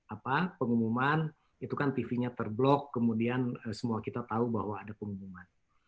apa pengumuman itu kan tv nya terblok kemudian semua kita tahu bahwa ada pengumuman